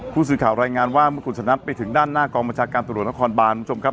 ผู้สื่อข่าวรายงานว่าคุณสถานประยุณรัฐไปถึงด้านหน้ากองประชาการตรวจละครบานนะครับคุณผู้ชมครับ